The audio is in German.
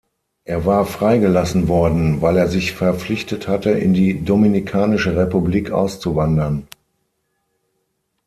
Er war freigelassen worden, weil er sich verpflichtet hatte, in die Dominikanische Republik auszuwandern.